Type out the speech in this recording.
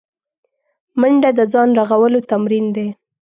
منډه د ځان رغولو تمرین دی